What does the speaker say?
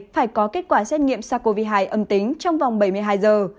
phải có kết quả xét nghiệm sars cov hai âm tính trong vòng bảy mươi hai giờ